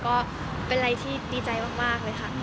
ก็เป็นอะไรที่ดีใจมากเลยค่ะ